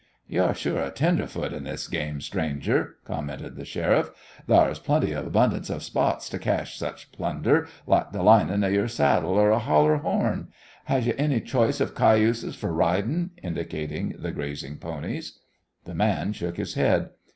"Yo're sure a tenderfoot at this game, stranger," commented the sheriff. "Thar is plenty abundance of spots to cache such plunder like the linin' of yore saddle, or a holler horn. Has you any choice of cayuses for ridin'?" indicating the grazing ponies. The man shook his head.